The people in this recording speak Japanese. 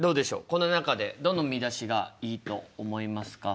この中でどの見出しがいいと思いますか？